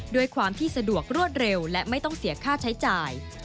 ด้วยความที่สะดวกรวดเร็วและไม่ต้องเสียค่าใช้จ่าย